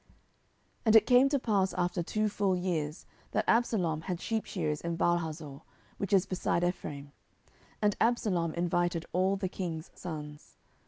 10:013:023 And it came to pass after two full years, that Absalom had sheepshearers in Baalhazor, which is beside Ephraim: and Absalom invited all the king's sons.